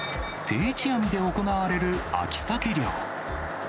定置網で行われる秋サケ漁。